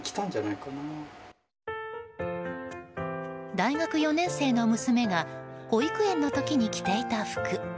大学４年生の娘が保育園の時に着ていた服。